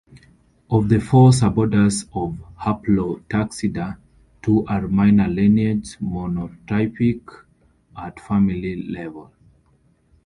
Of the four suborders of Haplotaxida, two are minor lineages, monotypic at family level.